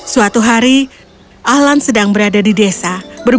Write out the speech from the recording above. suatu hari alan sedang berada di desa berbicara dengan beberapa orang tentang apa yang terjadi